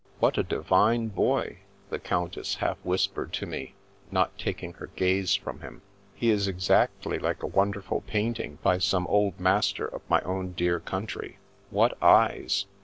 " What a divine boy I " the Countess half whis pered to me, not taking her gaze from him. " He is exactly like a wonderful painting by some old Master of my own dear country. What eyes